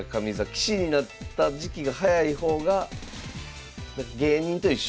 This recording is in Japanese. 棋士になった時期が早い方がだから芸人と一緒。